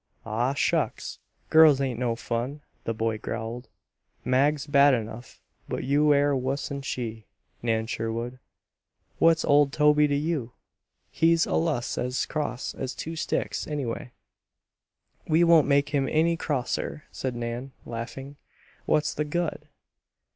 "Aw, shucks! Girls ain't no fun," the boy growled. "Mag's bad enough, but you air wuss'n she, Nan Sherwood. What's old Toby to you? He's allus as cross as two sticks, anyway." "We won't make him any crosser," said Nan, laughing. "What's the good?"